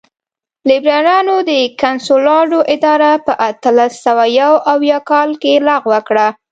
لېبرالانو د کنسولاډو اداره په اتلس سوه یو اویا کال کې لغوه کړه.